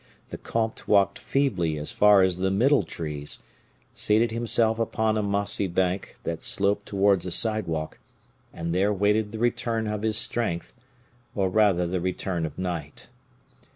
The comte walked feebly as far as the middle trees, seated himself upon a mossy bank that sloped towards a sidewalk, and there waited the return of his strength, or rather the return of night.